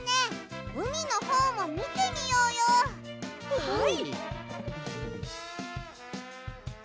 はい！